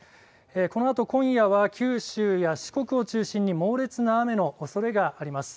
このあと今夜は九州や四国を中心に猛烈な雨のおそれがあります。